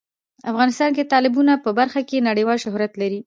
افغانستان د تالابونو په برخه کې نړیوال شهرت لري.